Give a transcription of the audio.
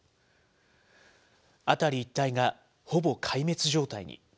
辺り一帯がほぼ壊滅状態に。